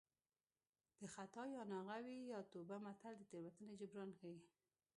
د خطا یا ناغه وي یا توبه متل د تېروتنې جبران ښيي